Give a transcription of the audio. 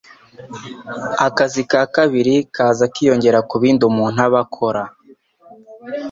akazi ka kabiri kaza kiyongera ku bindi umuntu aba akora.